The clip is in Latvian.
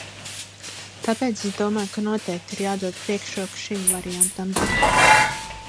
Tāpēc es domāju, ka noteikti ir jādod priekšroka šim variantam.